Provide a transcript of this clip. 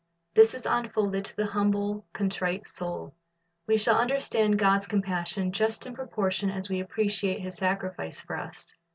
This is unfolded to the humble, contrite soul. We shall understand God's compassion just in proportion as we appreciate His sacrifice for us.